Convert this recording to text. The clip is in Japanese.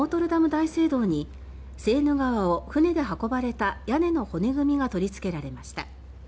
大聖堂にセーヌ川を船で運ばれた屋根の骨組みが取りつけられました。